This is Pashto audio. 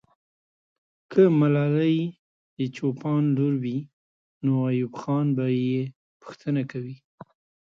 که ملالۍ د چوپان لور وي، نو ایوب خان به یې پوښتنه کوي.